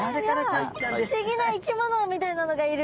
不思議な生き物みたいなのがいる。